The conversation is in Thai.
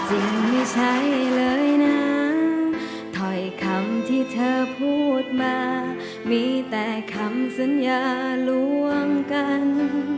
จริงไม่ใช่เลยนะถอยคำที่เธอพูดมามีแต่คำสัญญาลวงกัน